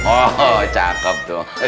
oh cakep tuh